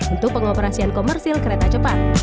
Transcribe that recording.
untuk pengoperasian komersil kereta cepat